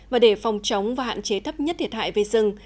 và để phòng chống và hạn chế thấp nhất thiệt hại về rừng